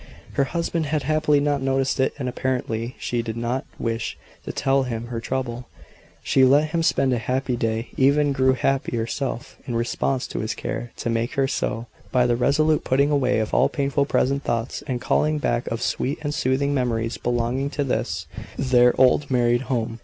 Her husband had happily not noticed it: and apparently, she did not wish to tell him her trouble. She let him spend a happy day, even grew happy herself in response to his care to make her so, by the resolute putting away of all painful present thoughts, and calling back of sweet and soothing memories belonging to this their old married home.